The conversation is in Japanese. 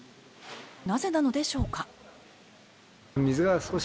なぜなのでしょうか。